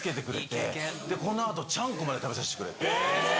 この後ちゃんこまで食べさせてくれて。